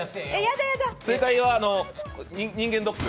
正解は人間ドック。